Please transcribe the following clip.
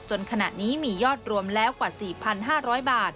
ขณะนี้มียอดรวมแล้วกว่า๔๕๐๐บาท